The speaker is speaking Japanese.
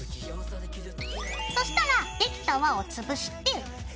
そしたらできた輪をつぶして。